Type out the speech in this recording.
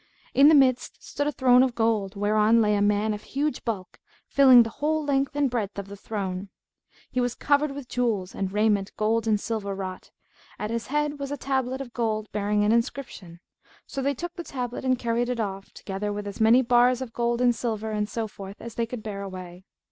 In the midst stood a throne of gold, whereon lay a man of huge bulk, filling the whole length and breadth of the throne. He was covered with jewels and raiment gold and silver wrought, and at his head was a tablet of gold bearing an inscription. So they took the tablet and carried it off, together with as many bars of gold and silver and so forth as they could bear away."